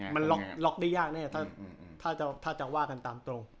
มันล็อกได้ยากแน่ถ้าจะว่ากันตามตรง